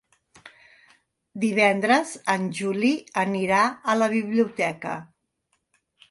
Divendres en Juli anirà a la biblioteca.